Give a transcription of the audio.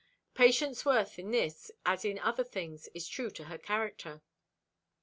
Patience Worth in this, as in other things, is true to her character.